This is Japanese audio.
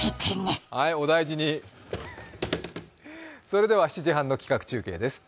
それでは７時半の企画中継です。